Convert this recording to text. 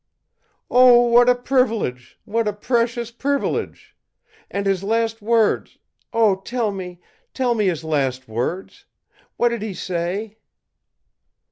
ì'Oh, what a privilege! what a precious privilege! And his last words oh, tell me, tell me his last words! What did he say?'